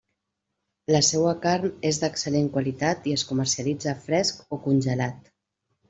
La seua carn és d'excel·lent qualitat i es comercialitza fresc o congelat.